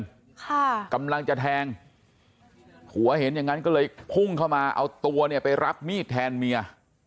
ค่ะกำลังจะแทงผัวเห็นอย่างงั้นก็เลยพุ่งเข้ามาเอาตัวเนี่ยไปรับมีดแทนเมีย